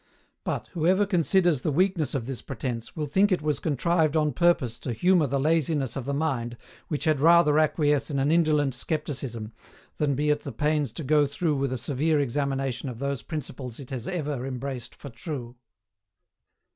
But, whoever considers the weakness of this pretence will think it was contrived on purpose to humour the laziness of the mind which had rather acquiesce in an indolent scepticism than be at the pains to go through with a severe examination of those principles it has ever embraced for true.